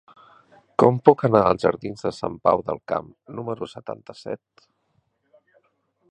Com puc anar als jardins de Sant Pau del Camp número setanta-set?